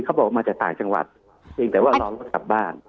เขาบอกว่ามาจากต่างจังหวัดแต่ว่ารอรถกลับบ้าน